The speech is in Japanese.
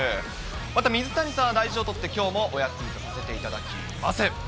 また水谷さんは大事を取って、きょうもお休みとさせていただきます。